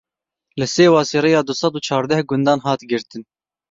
Li Sêwasê rêya du sed û çardeh gundan hat girtin.